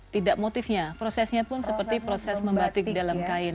tidak motifnya prosesnya pun seperti proses membatik dalam kain